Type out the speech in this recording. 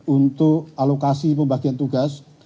untuk alokasi pembagian tugas